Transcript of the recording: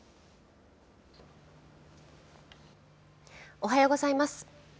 おはようございます。